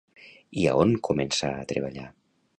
I a on començà a treballar?